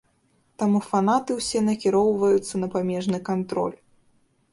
Таму фанаты ўсе накіроўваюцца на памежны кантроль.